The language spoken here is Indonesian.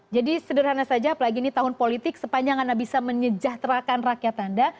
jadi sederhana saja apalagi ini tahun politik sepanjang anda bisa menyejahterakan rakyat anda